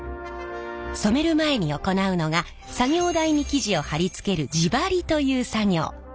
染める前に行うのが作業台に生地を貼り付ける地貼りという作業。